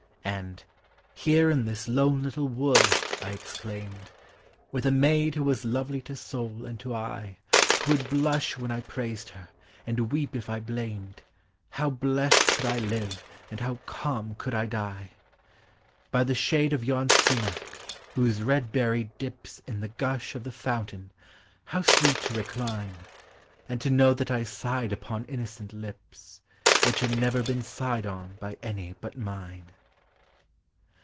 And " Here in this lone little wood," I exclaimed, " With a maid who was lovely to soul and to eye, Who would blush when I praised her, and weep if I blamed, How blest could I live, and how calm could 1 die! " By the shade of yon sumach, whose red berry dips In the gush of the fountain, how sweet to re cline, And to know that I sighed upon innocent lips, Which had never been sighed on by any but mine!